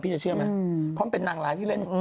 จะเชื่อไหมเพราะมันเป็นนางร้ายที่เล่น